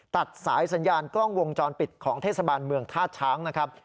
ตัดสายสัญญาณกล้องวงจรปิดของเทศบาลเมืองท่าช้างนะครับ